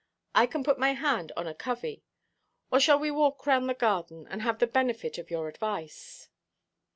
I can put my hand on a covey; or shall we walk round the garden, and have the benefit of your advice?"